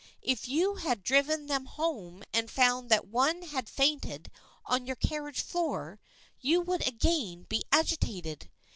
If you had driven them home and found that one had fainted on your carriage floor, you would again be agitated.